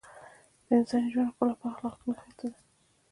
د انساني ژوند ښکلا په اخلاقو کې نغښتې ده .